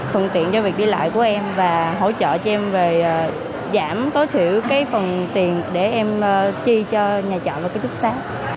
phần tiện cho việc đi lại của em và hỗ trợ cho em về giảm tối thiểu cái phần tiền để em chi cho nhà chợ và kỹ thuật xá